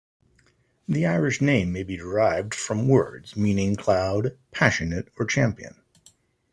The Irish name may be derived from words meaning "cloud", "passionate", or "champion".